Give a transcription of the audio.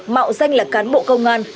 mạo danh là cán bộ công an